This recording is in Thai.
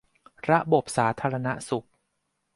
ระบบสาธารณสุข